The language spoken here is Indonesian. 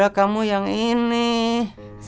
kenapa m braking di sariang dus